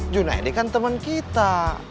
junedi kan temen kita